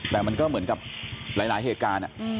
แต่มันก็เหมือนกับหลายเหตุการณ์